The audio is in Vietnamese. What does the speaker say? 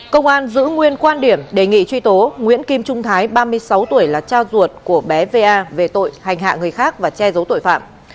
công an giữ nguyên quan điểm đề nghị truy tố nguyễn kim trung thái ba mươi sáu tuổi là cha ruột của bé va về tội hành hạ người khác và che giấu tội phạm